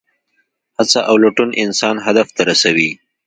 هڅه او لټون انسان هدف ته رسوي.